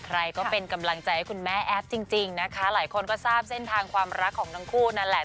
ก็เป็นกำลังใจให้คุณแม่แอฟจริงนะคะหลายคนก็ทราบเส้นทางความรักของทั้งคู่นั่นแหละ